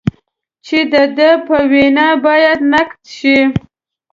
چې د ده په وینا باید نقد شي.